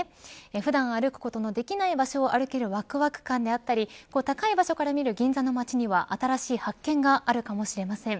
普段歩くことのできない場所を歩けるわくわく感であったり高い場所から見る銀座の街には新しい発見があるかもしれません。